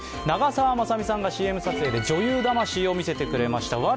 長澤まさみさんがＣＭ撮影で女優魂を見せてくれました。